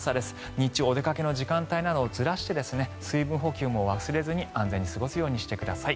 日中、お出かけの時間帯などをずらして水分補給も忘れずに安全に過ごすようにしてください。